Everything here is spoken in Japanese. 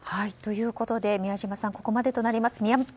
ということで宮嶋さんはここまでとなります。